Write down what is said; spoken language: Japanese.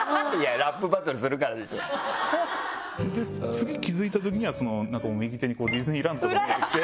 次気付いたときには右手にディズニーランドが見えてきて。